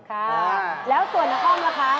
ค่ะแล้วส่วนข้อมูลค่ะ